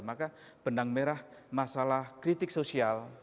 maka benang merah masalah kritik sosial